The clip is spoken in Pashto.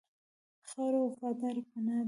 خاوره وفاداره پناه ده.